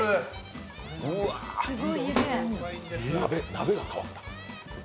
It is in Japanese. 鍋が変わった。